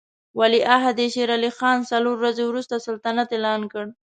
ولیعهد یې شېر علي خان څلور ورځې وروسته سلطنت اعلان کړ.